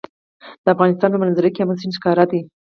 د افغانستان په منظره کې آمو سیند ښکاره دی.